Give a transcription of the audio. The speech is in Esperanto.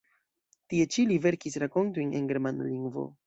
Tie ĉi li verkis rakontojn en germana lingvo.